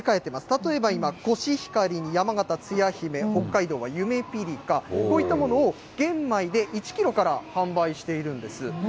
例えば今、コシヒカリ、山形、つや姫、北海道はゆめぴりか、こういったものを玄米で１キロから販売しているんです。